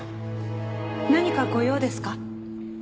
何かご用ですか？